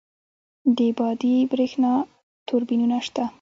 د بادی بریښنا توربینونه شته؟